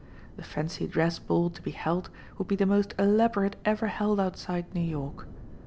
The fancy dress ball to be held would be the most elaborate ever held outside New York.